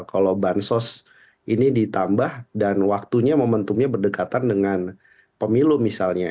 kalau bansos ini ditambah dan waktunya momentumnya berdekatan dengan pemilu misalnya